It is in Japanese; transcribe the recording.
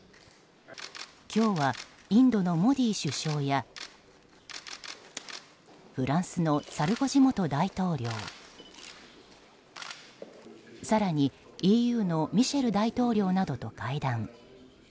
今日は、インドのモディ首相やフランスのサルコジ元大統領更にＥＵのミシェル大統領などと会談。